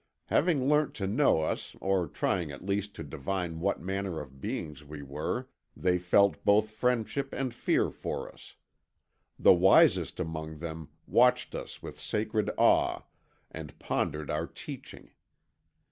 Having learnt to know us or trying at least to divine what manner of beings we were, they felt both friendship and fear for us. The wisest among them watched us with sacred awe and pondered our teaching.